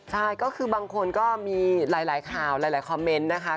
ใช่ก็คือบางคนก็มีหลายข่าวหลายคอมเมนต์นะคะ